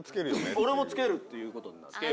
俺もつけるっていうことになって。